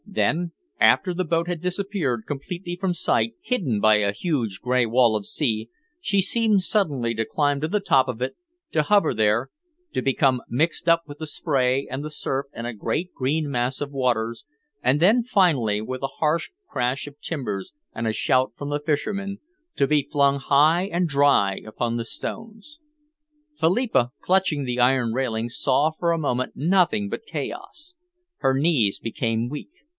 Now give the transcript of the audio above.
Then, after the boat had disappeared completely from sight, hidden by a huge grey wall of sea, she seemed suddenly to climb to the top of it, to hover there, to become mixed up with the spray and the surf and a great green mass of waters, and then finally, with a harsh crash of timbers and a shout from the fishermen, to be flung high and dry upon the stones. Philippa, clutching the iron railing, saw for a moment nothing but chaos. Her knees became weak.